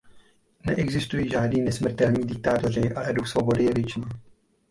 Neexistují žádní nesmrtelní diktátoři, ale duch svobody je věčný.